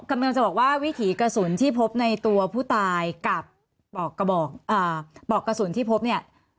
กำลังจะบอกว่าวิถีกระสุนที่พบในตัวผู้ตายกับปอกกระสุนที่พบเนี่ย